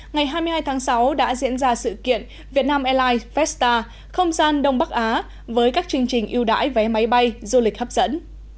ngày hai mươi hai tháng sáu đã diễn ra sự kiện việt nam airlines festa không gian đông bắc á với các chương trình yêu đáy vé máy bay du lịch hấp dẫn